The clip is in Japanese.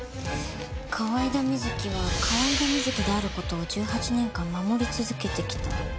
河井田瑞希は河井田瑞希である事を１８年間守り続けてきた。